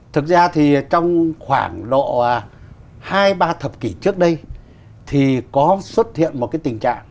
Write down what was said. thực ra thì trong khoảng lộ hai ba thập kỷ trước đây thì có xuất hiện một cái tình trạng